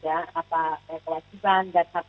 apa kewajiban dan hak